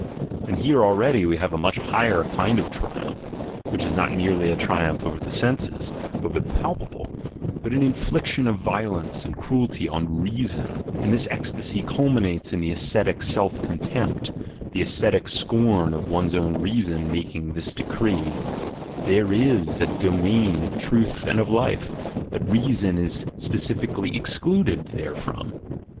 and here already we have a much higher kind of triumph, which is not merely a triumph over the senses, over the palpable, but an infliction of violence and cruelty on reason; and this ecstasy culminates in the ascetic self contempt, the ascetic scorn of one's own reason making this decree: there is a domain of truth and of life, but reason is specially excluded therefrom.